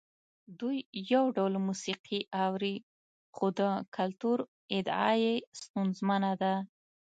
دوی یو ډول موسیقي اوري خو د کلتور ادعا یې ستونزمنه ده.